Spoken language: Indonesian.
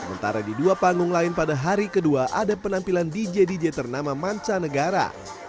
sementara di dua panggung lain pada hari kedua ada penampilan dj dj ternama manca negara